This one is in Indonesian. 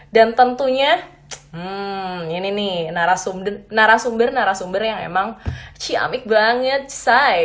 dan tentunya ini nih narasumber narasumber yang emang ciamik banget say